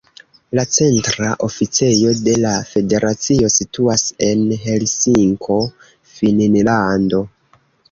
La centra oficejo de la federacio situas en Helsinko, Finnlando.